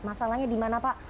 masalahnya di mana pak